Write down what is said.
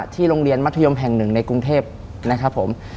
ที่โรงเรียนมัธยมแห่ง๑ในกรุงเทพฯนะครับผม